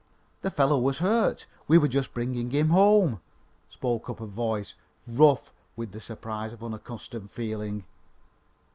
"The fellow was hurt. We were just bringing him home," spoke up a voice, rough with the surprise of unaccustomed feeling.